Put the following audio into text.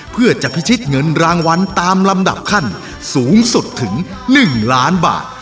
เพื่อจะพิชิตเงินรางวัลตามลำดับขั้นสูงสุดถึง๑ล้านบาท